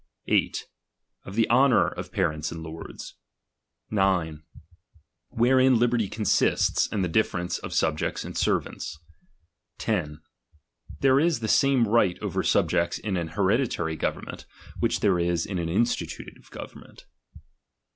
8. Of the honour of pa rents and lords. 9. Wherein liberty consists, and the difference of subjects and servants. 10. There is the same right over subjects in an hereditary government, which there is in an institutive government.